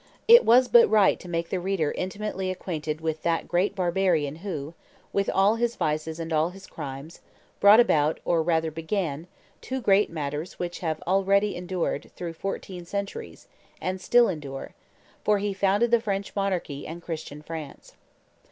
It was but right to make the reader intimately acquainted with that great barbarian who, with all his vices and all his crimes, brought about, or rather began, two great matters which have already endured through fourteen centuries, and still endure; for he founded the French monarchy and Christian France.